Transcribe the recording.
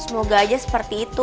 semoga aja seperti itu